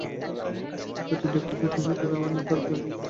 একে তো দুঃখ পাইতেছ, তদুপরি মিথ্যা আরোপ করিতেছ।